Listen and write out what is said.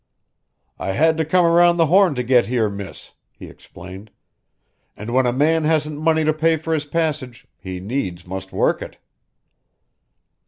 "I had to come around the Horn to get here, Miss," he explained, "and when a man hasn't money to pay for his passage, he needs must work it."